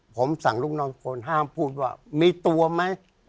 ผมสั่งลูกน้องทุกคนห้ามพูดว่ามีตัวไหม